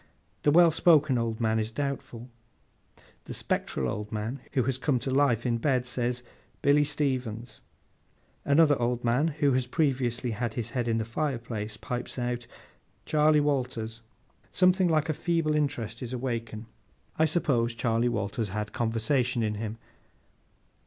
The well spoken old man is doubtful. The spectral old man who has come to life in bed, says, 'Billy Stevens.' Another old man who has previously had his head in the fireplace, pipes out, 'Charley Walters.' Something like a feeble interest is awakened. I suppose Charley Walters had conversation in him.